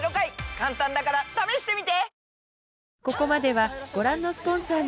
簡単だから試してみて！